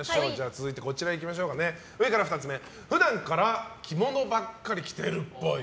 続いて、上から２つ目普段から着物ばっかり着てるっぽい。